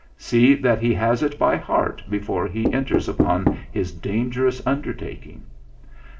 See that he has it by heart before he enters upon his dangerous undertaking."